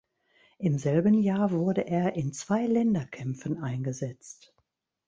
Im selben Jahr wurde er in zwei Länderkämpfen eingesetzt.